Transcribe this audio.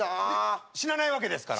死なないわけですから。